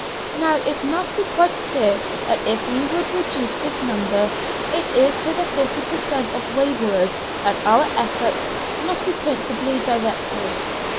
Now, it must be quite clear that if we would reduce this number, it is to the fifty per cent of waverers that our efforts must be principally directed.